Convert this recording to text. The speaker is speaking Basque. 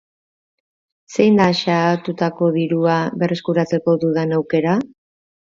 Zein da xahututako dirua berreskuratzeko dudan aukera?